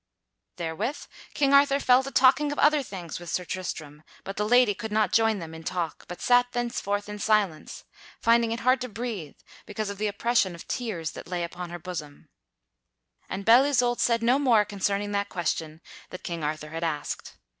Therewith King Arthur fell to talking of other things with Sir Tristram, but the lady could not join them in talk, but sat thenceforth in silence, finding it hard to breathe because of the oppression of tears that lay upon her bosom. And Belle Isoult said no more concerning that question that King Arthur had asked.